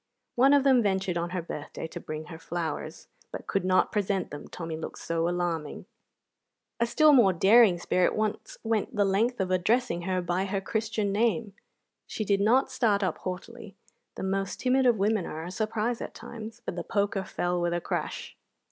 One of them ventured on her birthday to bring her flowers, but could not present them, Tommy looked so alarming. A still more daring spirit once went the length of addressing her by her Christian name. She did not start up haughtily (the most timid of women are a surprise at times), but the poker fell with a crash.